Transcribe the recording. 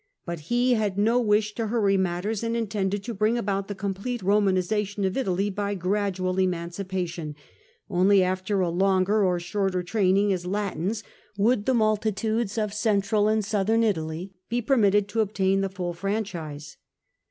But he had no wish to hurry matters, and intended to bring about the complete Romanisation of Italy by gradual emancipation ; only after a longer or shorter training as Latins would the multitudes of Central and Southern Italy be permitted to obtain the full franchise.